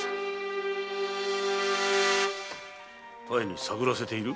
多江に探らせている？